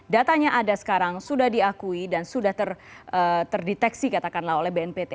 datanya ada sekarang sudah diakui dan sudah terdeteksi katakanlah oleh bnpt